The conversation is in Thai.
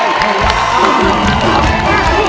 ร้องได้